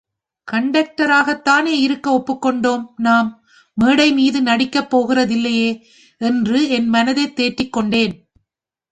கண்டக்டராகத்தானே இருக்க ஒப்புக்கொண்டோம் நாம் மேடைமீது நடிக்கப் போகிறதில்லையே என்று என் மனத்தைத் தேற்றிக் கொண்டேன்.